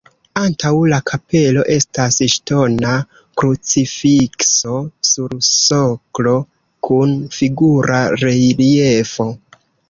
Antaŭ la kapelo estas ŝtona krucifikso sur soklo kun figura reliefo.